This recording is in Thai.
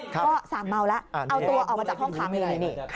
ก็สั่งเมาแล้วเอาตัวออกมาจากห้องค้างเลย